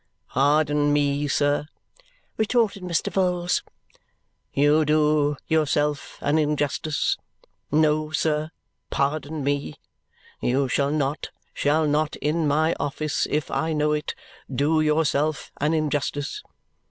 "Pardon me, sir!" retorted Mr. Vholes. "You do yourself an injustice. No, sir! Pardon me! You shall not shall not in my office, if I know it do yourself an injustice.